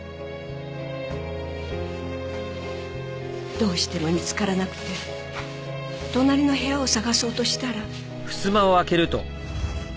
どうしても見つからなくて隣の部屋を捜そうとしたら。